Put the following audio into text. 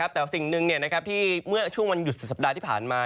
แต่สิ่งหนึ่งที่เมื่อช่วงวันหยุดสุดสัปดาห์ที่ผ่านมา